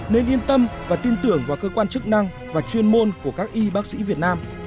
nên yên tâm và tin tưởng vào cơ quan chức năng và chuyên môn của các y bác sĩ việt nam